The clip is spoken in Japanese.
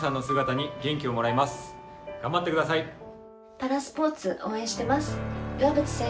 パラスポーツ応援しています。